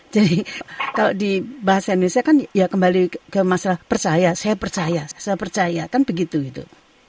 jadi kalau di bahasa indonesia kan ya kembali ke masalah percaya saya percaya saya percaya kan begitu itu